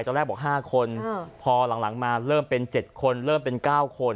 ตอนแรกบอก๕คนพอหลังมาเริ่มเป็น๗คนเริ่มเป็น๙คน